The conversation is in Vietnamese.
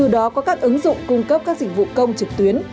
đó có các ứng dụng cung cấp các dịch vụ công trực tuyến